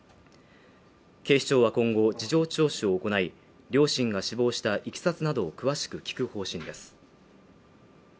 警視庁は今後、事情聴取を行い、両親が死亡した経緯などを詳しく聞く方針です。